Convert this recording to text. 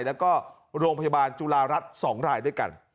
แล้วก็โรงพยาบาลจุฬารัฐ๒รายด้วยกัน